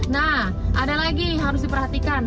nah ada lagi yang harus diperhatikan